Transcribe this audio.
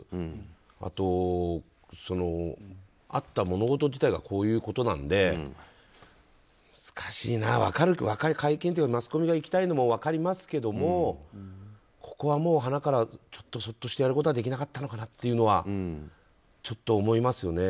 あと、あった物事自体がこういうことなので難しいな会見というかマスコミが行きたいのも分かりますけどもここはもうちょっと、そっとしてやることはできなかったのかなというのは思いますよね。